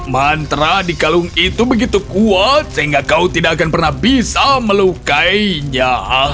mantra di kalung itu begitu kuat sehingga kau tidak akan pernah bisa melukainya